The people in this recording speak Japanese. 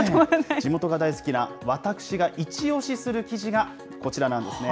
地元が大好きな私が一押しする記事がこちらなんですね。